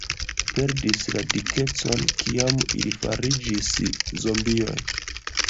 ... perdis la dikecon kiam ili fariĝis zombioj.